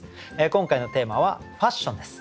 今回のテーマは「ファッション」です。